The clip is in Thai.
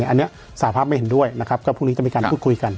อันนี้สาธารณ์ภาพไม่เห็นด้วยก็พรุ่งนี้จะมีการพูดคุยกัน